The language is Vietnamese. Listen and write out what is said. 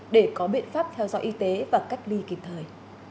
để có biện pháp theo dõi y tế và cách ly kịp thời